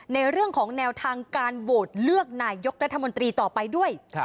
ในเรื่องของแนวทางการโหวตเลือกนายกรัฐมนตรีต่อไปด้วย